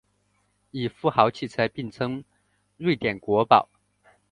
与富豪汽车并称瑞典国宝。